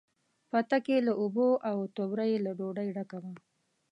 پتک یې له اوبو، او توبره یې له ډوډۍ ډکه وه.